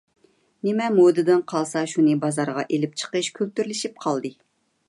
نېمە مودىدىن قالسا شۇنى بازارغا ئېلىپ چىقىش كۈلتۈرلىشىپ قالدى.